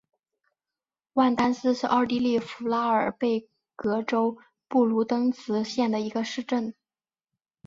万丹斯是奥地利福拉尔贝格州布卢登茨县的一个市镇。